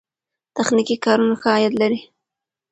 تخنیکي کارونه ښه عاید لري.